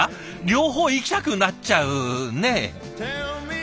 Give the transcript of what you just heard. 両方いきたくなっちゃうねえ。